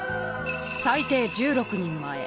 最低１６人前。